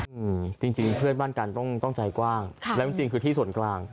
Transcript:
อืมจริงจริงเพื่อนบ้านกันต้องต้องใจกว้างค่ะแล้วจริงจริงคือที่ส่วนกลาง